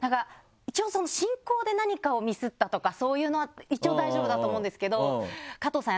一応進行で何かをミスったとかそういうのは一応大丈夫だと思うんですけど加藤さん